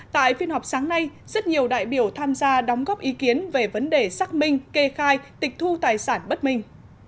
tại phiên họp sáng nay rất nhiều đại biểu tham gia đóng góp ý kiến về vấn đề xác minh kê khai tịch thu tài sản bất minh